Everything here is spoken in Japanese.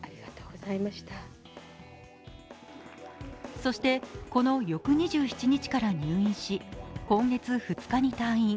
そして、この翌２７日から入院し今月２日に退院。